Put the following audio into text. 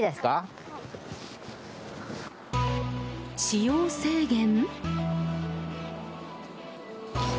使用制限？